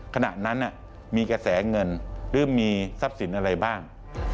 ขณะนั้นมีกระแสเงินหรือมีทรัพย์สินอะไรบ้าง